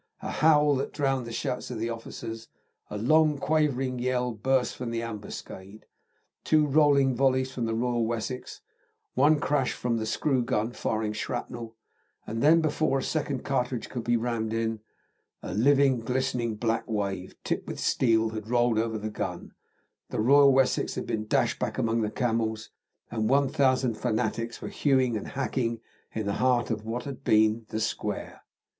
A howl that drowned the shouts of the officers, a long quavering yell, burst from the ambuscade. Two rolling volleys from the Royal Wessex, one crash from the screw gun firing shrapnel, and then before a second cartridge could be rammed in, a living, glistening black wave, tipped with steel, had rolled over the gun, the Royal Wessex had been dashed back among the camels, and 1,000 fanatics were hewing and hacking in the heart of what had been the square.